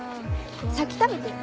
先食べてよ。